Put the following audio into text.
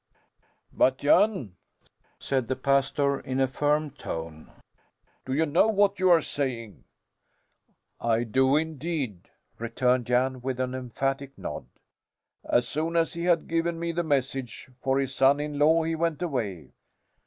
"But Jan!" said the pastor in a firm tone, "do you know what you are saying?" "I do indeed," returned Jan with an emphatic nod. "As soon as he had given me the message for his son in law he went away.